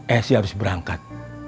esi harus berangkat